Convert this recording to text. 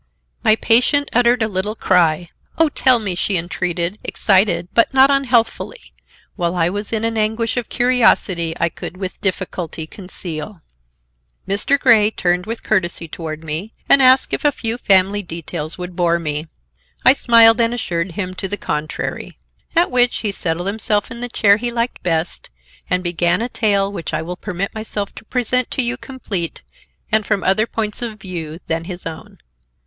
My patient uttered a little cry. "Oh, tell me," she entreated, excited, but not unhealthfully; while I was in an anguish of curiosity I could with difficulty conceal. Mr. Grey turned with courtesy toward me and asked if a few family details would bore me. I smiled and assured him to the contrary. At which he settled himself in the chair he liked best and began a tale which I will permit myself to present to you complete and from other points of view than his own.